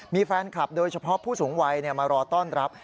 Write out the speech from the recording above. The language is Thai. มีแฟนคลับโดยเฉพาะผู้สูงวัยมารอต้อนรับ